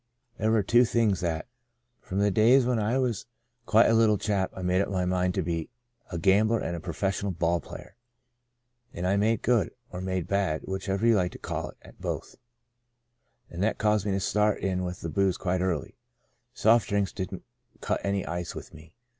There were two things that, from the days when I was quite a little chap, I made up my mind to be — a gambler and a professional ball player. And I made good, or made bad (whichever you like to call it) at both. ^^*' And that caused me to start in with the booze quite early. Soft drinks didn't cut any ice with me.